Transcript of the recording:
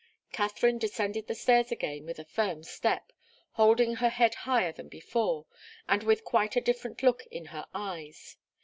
Katharine descended the stairs again with a firm step, holding her head higher than before, and with quite a different look in her eyes.